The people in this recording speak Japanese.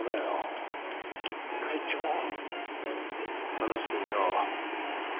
話してみよう。